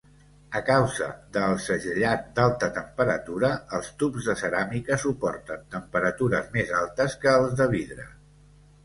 A causa de el segellat d'alta temperatura, els tubs de ceràmica suporten temperatures més altes que els de vidre.